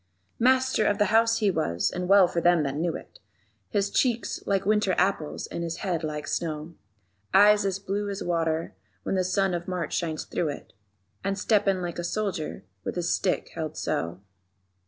Master of the House he was, and well for them that knew it: His cheeks like winter apples and his head like snow; Eyes as blue as water when the sun of March shines through it. _And steppin' like a soldier with his stick held so.